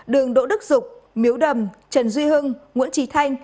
đường đỗ đức dục miếu đầm trần duy hưng nguyễn trí thanh